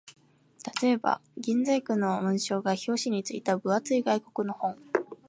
例えば、銀細工の紋章が表紙に付いた分厚い外国の本